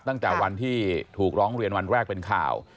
ตั้งแต่วันที่ถูกร้องเรียนวันแรกเป็นข่าว